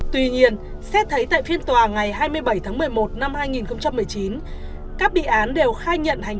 tuy nhiên xét thấy tại phiên tòa ngày hai mươi bảy tháng một mươi một năm hai nghìn một mươi chín các bị án đều khai nhận hành